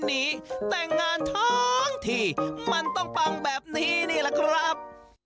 มันต้องปังแบบนี้นี่แหละครับ